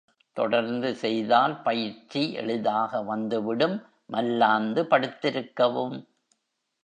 தொடர்ந்து செய்தால், பயிற்சி எளிதாக வந்து விடும் மல்லாந்து படுத்திருக்கவும்.